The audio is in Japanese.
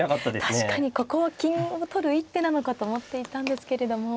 確かにここは金を取る一手なのかと思っていたんですけれども。